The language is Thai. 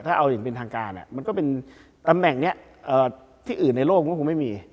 ถ้าเอาอย่างเป็นทางการมันก็เป็นตำแหน่งนี้ที่อื่นในโลกมันก็คงไม่มี